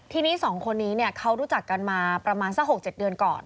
ทีนี้๒คนนี้เขารู้จักกันมาประมาณสัก๖๗เดือนก่อน